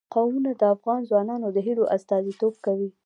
قومونه د افغان ځوانانو د هیلو استازیتوب کوي.